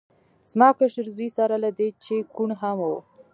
زما کشر زوی سره له دې چې کوڼ هم و